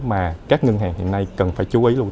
mà các ngân hàng hiện nay cần phải chú ý luôn